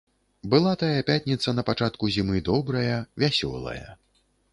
Была тая пятніца на пачатку зімы, добрая, вясёлая.